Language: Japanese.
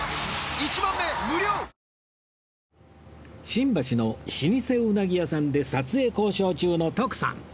新橋の老舗うなぎ屋さんで撮影交渉中の徳さん